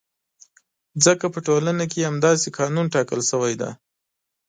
ځکه په ټولنه کې یې همداسې قانون ټاکل شوی دی.